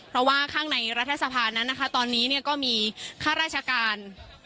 เพราะว่าข้างในรัฐสภานั้นนะคะตอนนี้ก็มีข้าราชการ